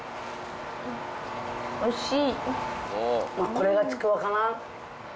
これがちくわかな。